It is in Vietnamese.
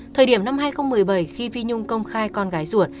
thời điểm năm hai nghìn một mươi bảy khi vi nhung công khai con gái ruột